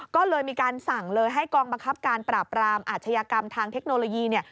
ก็เลยมีการสั่งเลยให้กองบังคับการปราบรามอาชญากรรมทางเทคโนโลยีเนี่ย